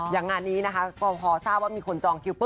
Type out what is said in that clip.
อย่างงานนี้พอทราบว่ามีคนจองคิว